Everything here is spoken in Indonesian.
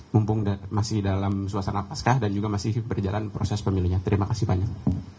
mumpung masih dalam suasana pascah dan juga masih berjalan proses pemilunya terima kasih banyak